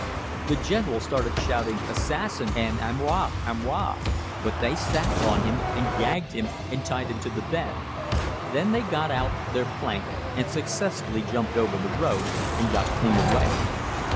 The general started shouting "Assassin!" and "A moi!" "A moi!" but they sat on him and gagged him and tied him to the bed. They then got out their plank and successfully jumped over the road and got clean away.